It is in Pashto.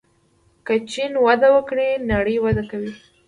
که چین وده وکړي نړۍ وده کوي.